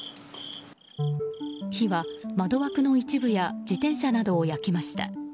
火は窓枠の一部や自転車などを焼きました。